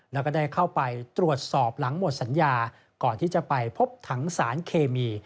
แล้วก็ได้เข้าไปตรวจสอบหลังหมดสัญญาก่อนที่จะไปพบถังสารเคมี